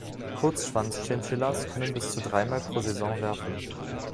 Kurzschwanz-Chinchillas können bis zu dreimal pro Saison werfen.